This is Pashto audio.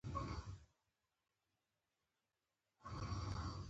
افغانستان د کرکټ نړۍواله لوبډله لري.